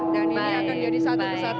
dan ini akan jadi satu persatu